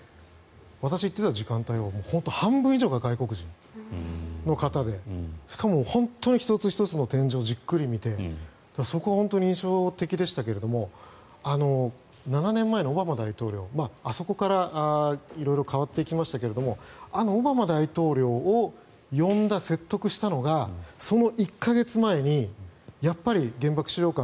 私、行ってた時間帯は半分以上が外国人の方でしかも本当に１つ１つの展示をじっくり見てそこが印象的でしたけど７年前のオバマ大統領あそこから色々、変わっていきましたがあのオバマ大統領を呼んだ、説得したのがその１か月前にやっぱり原爆資料館